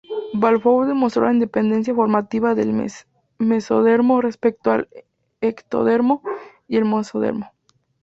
Balfour demostró la independencia formativa del mesodermo respecto al ectodermo y el mesodermo.